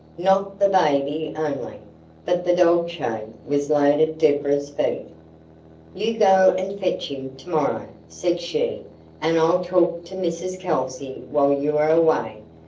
Not the baby only, but the dog chain, was laid at Deborah's feet. "You go and fetch him tomorrow," said she, "and I'll talk to Mrs Kelsey while you are away.